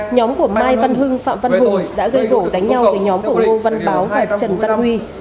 nhóm của mai văn hưng phạm văn hùng đã gây gỗ đánh nhau với nhóm của lô văn báo và trần văn huy